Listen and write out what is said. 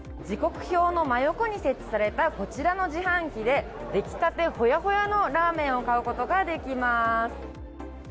時刻表の真横に設置されたこちらの自販機で出来立てほやほやのラーメンを買うことができます。